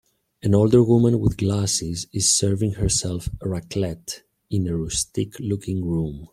An older woman with glasses is serving herself Raclette in a rustic looking room.